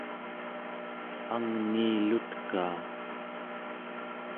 angniilutkaa